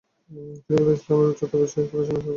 তিনি ভর্তি হন এবং ইসলামের উচ্চতর বিষয়ে পড়াশোনা শুরু করেন।